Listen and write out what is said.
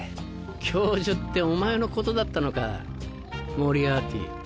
教授ってお前のことだったのかモリアーティ。